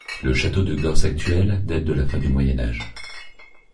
Le château de Gorce actuel date de la fin du Moyen Âge.